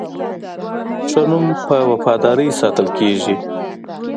ښه نوم په وفادارۍ ساتل کېږي.